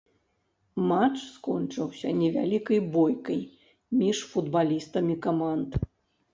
Матч скончыўся невялікай бойкай між футбалістамі каманд.